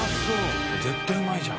絶対うまいじゃん。